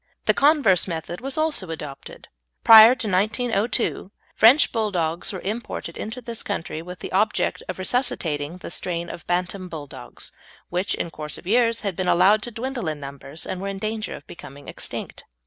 The converse method was also adopted. Prior to 1902 French Bulldogs were imported into this country with the object of resuscitating the strain of bantam Bulldogs, which in course of years had been allowed to dwindle in numbers, and were in danger of becoming extinct.